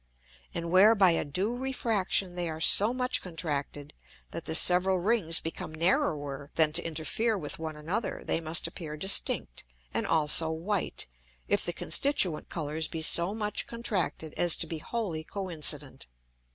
And where by a due Refraction they are so much contracted, that the several Rings become narrower than to interfere with one another, they must appear distinct, and also white, if the constituent Colours be so much contracted as to be wholly co incident.